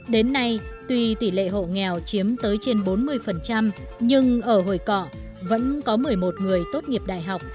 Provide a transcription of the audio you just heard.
đến nay tuy tỷ lệ hộ nghèo chiếm tới trên bốn mươi nhưng ở hồi cọ vẫn có một mươi một người tốt nghiệp đại học